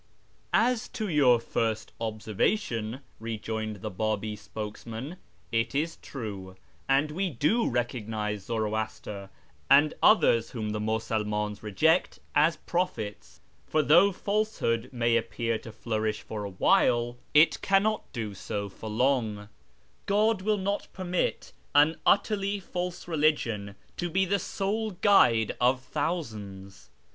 "As to your first observation," rejoined the Biibi spokes an, " it is true, and we do recognise Zoroaster, and others hom the Musulmans reject, as prophets. For though Isehood may appear to flourish for a while, it cannot do so 20 3o6 A YEAR AMONGST THE PERSIANS for long. God will not permit an utterly false religion to Le the sole guide of thousands.